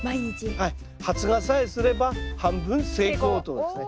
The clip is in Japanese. はい発芽さえすれば半分成功ということですね。